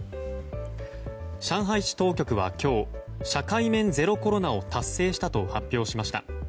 上海市当局は今日社会面ゼロコロナを達成したと発表しました。